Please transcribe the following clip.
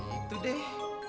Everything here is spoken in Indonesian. ya itu deh